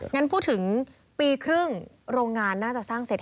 งั้นพูดถึงปีครึ่งโรงงานน่าจะสร้างเสร็จ